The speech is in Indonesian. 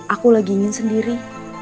aku lagi ingin sendiri